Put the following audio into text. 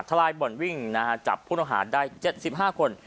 ทะลายบ่อนวิ่งนะฮะจับผู้โน้นอาหารได้เจ็ดสิบห้าคน